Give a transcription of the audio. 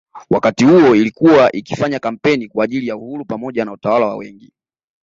Wakati huo ilikuwa ikifanya kampeni kwa ajili ya uhuru pamoja na utawala wa wengi